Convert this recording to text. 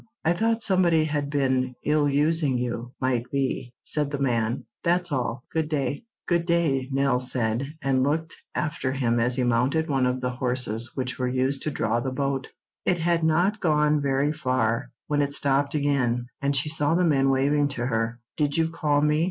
"I thought somebody had been ill using you, might be," said the man. "That's all. Good day." "Good day," Nell said, and looked after him as he mounted one of the horses which were used to draw the boat. It had not gone very far when it stopped again, and she saw the men waving to her. "Did you call me?"